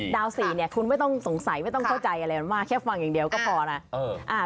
๔เนี่ยคุณไม่ต้องสงสัยไม่ต้องเข้าใจอะไรมากแค่ฟังอย่างเดียวก็พอแล้ว